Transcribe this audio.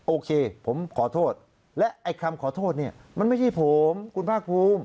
โอเคผมขอโทษและไอ้คำขอโทษเนี่ยมันไม่ใช่ผมคุณภาคภูมิ